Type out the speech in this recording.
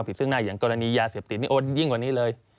ผิดซึ่งหน้าอย่างกรณียาเสพติดยิ่งกว่านี้เลย